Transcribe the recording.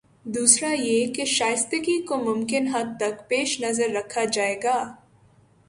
دوسرا یہ کہ شائستگی کو ممکن حد تک پیش نظر رکھا جائے گا۔